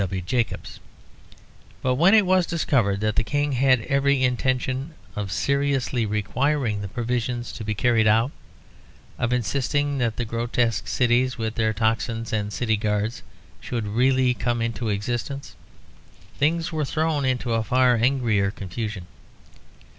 W. Jacobs. But when it was discovered that the King had every intention of seriously requiring the provisions to be carried out, of insisting that the grotesque cities, with their tocsins and city guards, should really come into existence, things were thrown into a far angrier confusion.